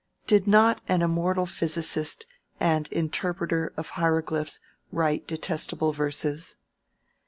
Did not an immortal physicist and interpreter of hieroglyphs write detestable verses?